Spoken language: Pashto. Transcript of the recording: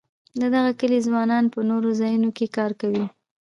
د دغه کلي ځوانان په نورو ځایونو کې کار کوي.